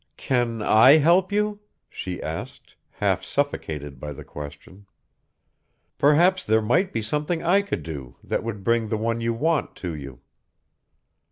"Can I help you?" she asked, half suffocated by the question. "Perhaps there might be something I could do that would bring the one you want to you."